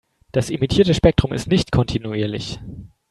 Das emittierte Spektrum ist nicht kontinuierlich.